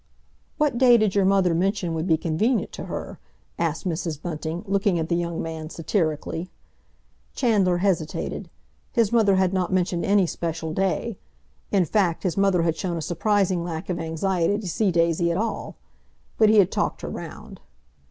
"What day did your mother mention would be convenient to her?" asked Mrs. Bunting, looking at the young man satirically. Chandler hesitated. His mother had not mentioned any special day—in fact, his mother had shown a surprising lack of anxiety to see Daisy at all. But he had talked her round.